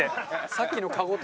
さっきのかごと。